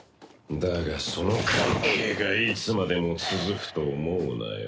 だがその関係がいつまでも続くと思うなよ。